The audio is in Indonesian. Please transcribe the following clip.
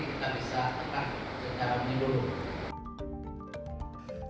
kita bisa tekan jenarannya dulu